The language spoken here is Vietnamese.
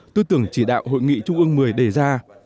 tư tưởng chỉ đạo hội nghị trung ương một mươi đề ra